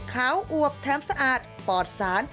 ขาวอวกแท้มสะอาดปอดสาน